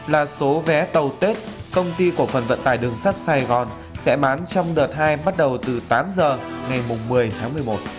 một mươi bảy năm trăm linh là số vé tàu tết công ty của phần vận tải đường sắt sài gòn sẽ bán trong đợt hai bắt đầu từ tám giờ ngày một mươi tháng một mươi một